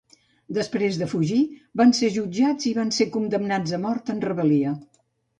Després de fugir, van ser jutjats i van ser condemnats a mort en rebel·lia.